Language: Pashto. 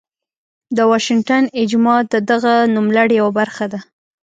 د واشنګټن اجماع د دغه نوملړ یوه برخه ده.